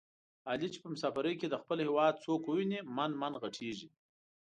علي چې په مسافرۍ کې د خپل هېواد څوک وویني من من ِغټېږي.